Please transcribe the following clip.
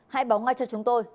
hãy báo ngay cho chúng tôi